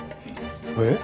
えっ？